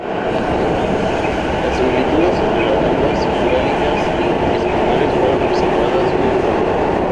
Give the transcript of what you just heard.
Las similitudes entre las lenguas urálicas y esquimales fueron observadas muy pronto.